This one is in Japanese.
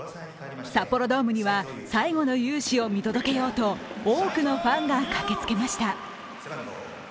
札幌ドームには最後の勇姿を見届けようと多くのファンが駆けつけました。